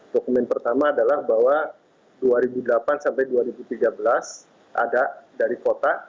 dokumen pertama adalah bahwa dua ribu delapan sampai dua ribu tiga belas ada dari kota